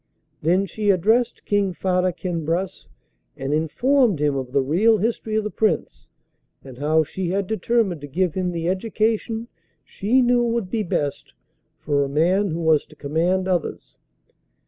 Then she addressed King Farda Kinbras, and informed him of the real history of the Prince, and how she had determined to give him the education she knew would be best for a man who was to command others.